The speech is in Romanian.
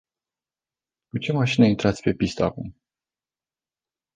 Cu ce mașină intrați pe pistă acum.